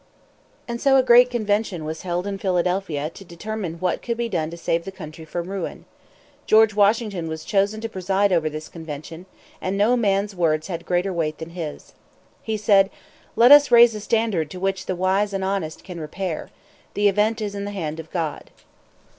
And so a great convention was held in Philadelphia to determine what could be done to save the country from ruin. George Washington was chosen to preside over this convention; and no man's words had greater weight than his. He said, "Let us raise a standard to which the wise and honest can repair. The event is in the hand of God."